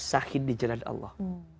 sahin di jalan allah